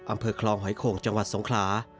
อำเภอคลองหอยโข่งจังหวัดสงขลา